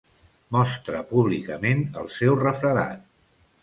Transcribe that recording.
Mostra públicament el seu refredat.